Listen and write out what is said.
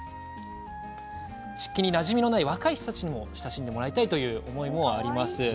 漆器になじみのない若い人たちにも親しんでもらいたいという思いもあります。